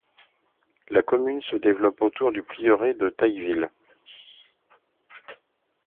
La commune se développe autour du prieuré de Tailleville.